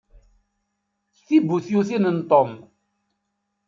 Ti d tibutyutin n Tom.